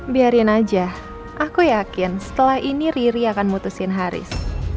biarin aja aku yakin setelah ini riri akan mutusin haris